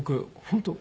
本当